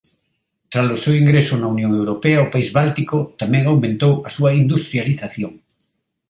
Tralo seu ingreso na Unión Europea o país báltico tamén aumentou a súa industrialización.